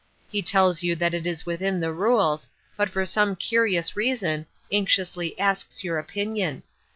He tells you that it is within the rules, but for some curious reason, anxiously asks your opinion.